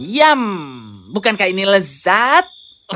yum bukankah ini lezat